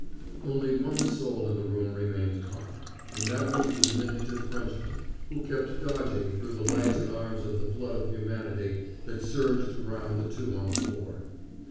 Only one soul in the room remained calm, and that was the diminutive Frenchman, who kept dodging through the legs and arms of the flood of humanity that surged around the two on the floor.